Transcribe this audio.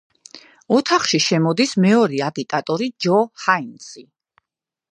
ოთახში შემოდის, მეორე აგიტატორი, ჯო ჰაინსი.